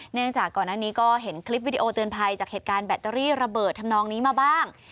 จากก่อนหน้านี้ก็เห็นคลิปวิดีโอเตือนภัยจากเหตุการณ์แบตเตอรี่ระเบิดทำนองนี้มาบ้าง